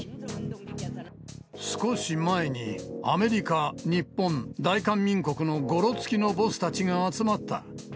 少し前に、アメリカ、日本、大韓民国のごろつきのボスたちが集まった。